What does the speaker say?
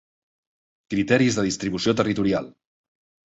Criteris de distribució territorial.